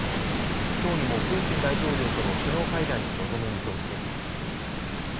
きょうにもプーチン大統領との首脳会談に臨む見通しです。